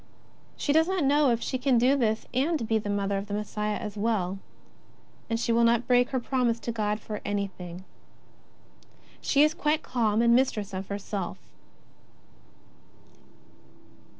She does not know if she can do this and be the Mother of the Messiah as well, and she will not break her promise to God for anything. She is quite calm and mistress of herself.